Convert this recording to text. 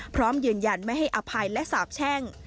พร้อมยืนยันไม่ให้อภัยและสาบแช่ง